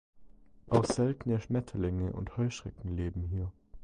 Auch seltene Schmetterlinge und Heuschrecken leben hier.